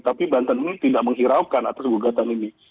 tapi banten ini tidak menghiraukan atas gugatan ini